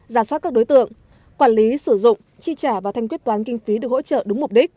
giả soát các đối tượng quản lý sử dụng chi trả và thanh quyết toán kinh phí được hỗ trợ đúng mục đích